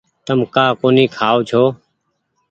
تم ڪآ ڪونيٚ کآئو ڇو۔